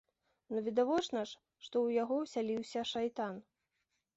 Ну відавочна ж, што ў яго ўсяліўся шайтан.